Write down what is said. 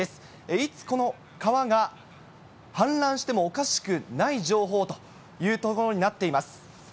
いつ、この川が氾濫してもおかしくない情報というところになっています。